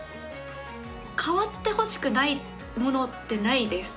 変わってほしくないものってないです。